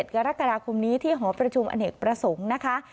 กรกฎาคมนี้ที่หอประชุมอเนกประสงค์นะคะ